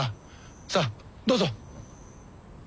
さあどうぞ。